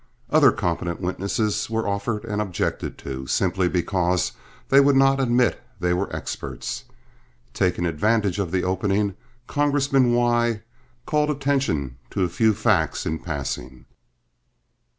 Other competent witnesses were offered and objected to, simply because they would not admit they were experts. Taking advantage of the opening, Congressman Y called attention to a few facts in passing.